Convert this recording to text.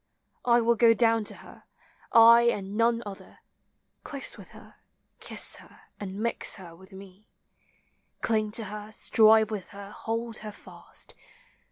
I will go down to her, I and none other, Close with her, kiss her, and .mix her with me; Cling to her, strive with her, hold her fast.